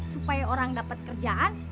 supaya orang dapat kerjaan